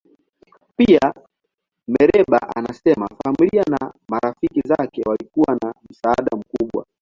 Pia, Mereba anasema familia na marafiki zake walikuwa na msaada mkubwa.